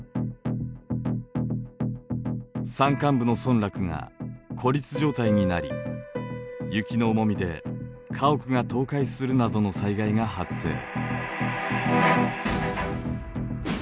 山間部の村落が孤立状態になり雪の重みで家屋が倒壊するなどの災害が発生。